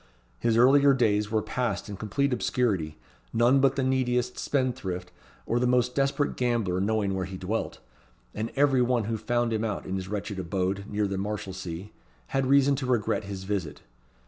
His earlier days were passed in complete obscurity, none but the neediest spendthrift or the most desperate gambler knowing where he dwelt, and every one who found him out in his wretched abode near the Marshalsea had reason to regret his visit.